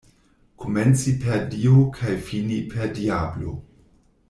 Komenci per Dio kaj fini per diablo.